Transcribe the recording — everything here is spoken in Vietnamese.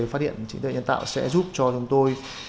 phát hiện trí tuệ nhân tạo sẽ giúp cho chúng tôi